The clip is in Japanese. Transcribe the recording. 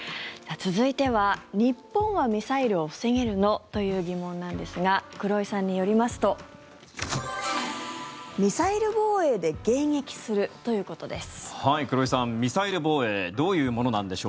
続いては日本はミサイルを防げるの？という疑問なんですが黒井さんによりますとミサイル防衛で迎撃するということです。